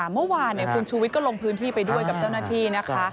เมื่อวานคุณชูวิทย์ก็ลงพื้นที่ไปด้วยกับเจ้าหน้าที่นะคะ